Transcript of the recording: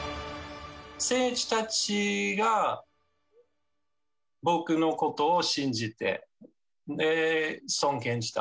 選手たちが、僕のことを信じて尊敬した。